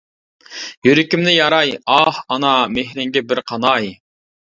يۈرىكىمنى ياراي. ئاھ، ئانا. مېھرىڭگە بىر قاناي!